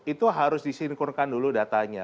itu harus disinkronkan dulu datanya